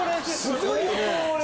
すごいよね。